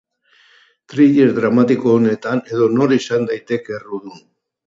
Thriller dramatiko honetan edonor izan daiteke errudun.